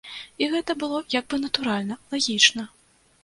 І гэта было як бы натуральна, лагічна.